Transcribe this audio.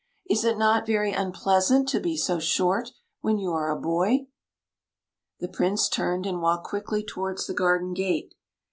Is it not very un pleasant to be so short, when you are a boy ?'* The Prince turned and walked quickly towards the garden gate.